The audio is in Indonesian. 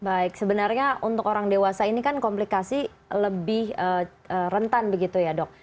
baik sebenarnya untuk orang dewasa ini kan komplikasi lebih rentan begitu ya dok